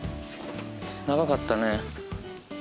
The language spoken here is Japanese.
長かったね。